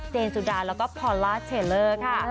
เจนสุดาแล้วก็พอลลาเชลล์ค่ะ